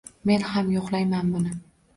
Men ham yoqlayman buni